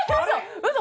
うそ！